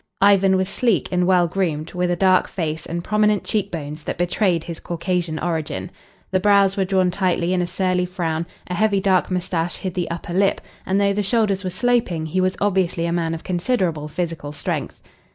Ivan was sleek and well groomed, with a dark face and prominent cheekbones that betrayed his Caucasian origin. The brows were drawn tightly in a surly frown; a heavy dark moustache hid the upper lip, and though the shoulders were sloping he was obviously a man of considerable physical strength.